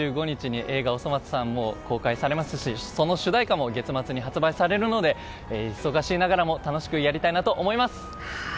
２５日に映画「おそ松さん」も公開されますし、その主題歌も月末に発売されるので忙しいながらも楽しくやりたいと思います。